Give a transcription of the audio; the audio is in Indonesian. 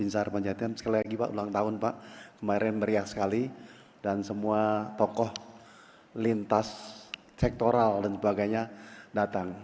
saya meriah sekali dan semua tokoh lintas sektoral dan sebagainya datang